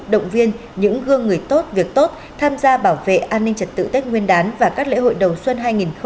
động viên những gương người tốt việc tốt tham gia bảo vệ an ninh trật tự tết nguyên đán và các lễ hội đầu xuân hai nghìn hai mươi bốn